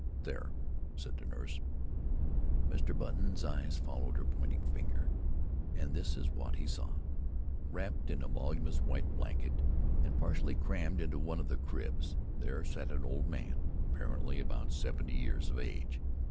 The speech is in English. "There!" said the nurse. Mr. Button's eyes followed her pointing finger, and this is what he saw. Wrapped in a voluminous white blanket, and partly crammed into one of the cribs, there sat an old man apparently about seventy years of age.